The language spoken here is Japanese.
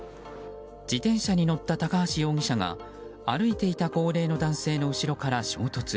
自転車に乗った高橋容疑者が歩いていた高齢の男性の後ろから衝突。